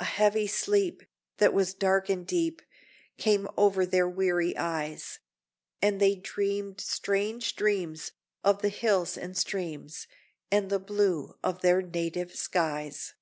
A heavy sleep, that was dark and deep, Came over their weary eyes, And they dreamed strange dreams of the hills and streams, And the blue of their native skies.